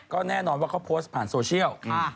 ก็แน่นอนว่าเขาโพสต์ผ่านโซเชียล